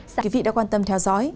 các quý vị đã quan tâm theo dõi